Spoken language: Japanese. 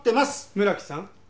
村木さん。